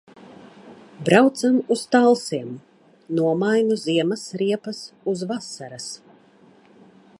Braucam uz Talsiem. Nomainu ziemas riepas uz vasaras.